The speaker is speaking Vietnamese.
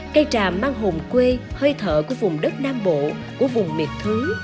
cây tràm mang hồn quê hơi thở của vùng đất nam bộ của vùng miệt thứ